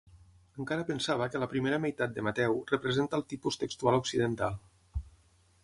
Encara pensava que la primera meitat de Mateu representa el tipus textual occidental.